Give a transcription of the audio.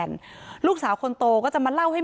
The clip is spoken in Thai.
เพราะไม่เคยถามลูกสาวนะว่าไปทำธุรกิจแบบไหนอะไรยังไง